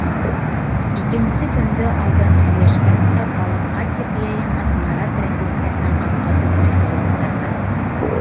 Икенсе көндө, алдан һөйләшкәнсә, балыҡҡа тип йыйынып, Марат Рәфистәрҙең ҡапҡа төбөнә килеп ултырҙы.